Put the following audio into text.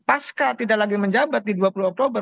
pasca tidak lagi menjabat di dua puluh oktober